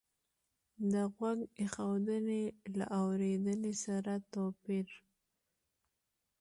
د غوږ ایښودنې له اورېدنې سره توپیر